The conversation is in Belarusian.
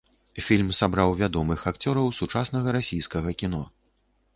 Фільм сабраў вядомых акцёраў сучаснага расійскага кіно.